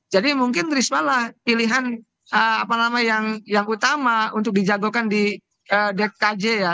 jadi mungkin risma lah pilihan apa nama yang utama untuk dijagokan di dkj ya